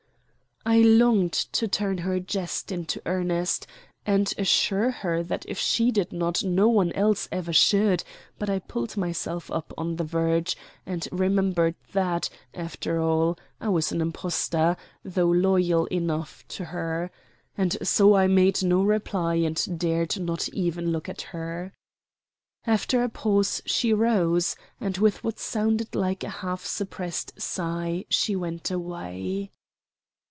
I longed to turn her jest to earnest, and assure her that if she did not no one else ever should; but I pulled myself up on the verge, and remembered that, after all, I was an impostor, though loyal enough to her. And so I made no reply, and dared not even look at her. After a pause she rose, and, with what sounded like a half suppressed sigh, she went away.